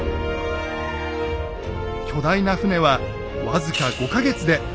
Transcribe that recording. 巨大な船は僅か５か月で完成します。